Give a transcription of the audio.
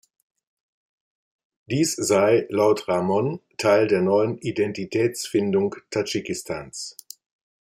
Dies sei, laut Rahmon, Teil der neuen Identitätsfindung Tadschikistans.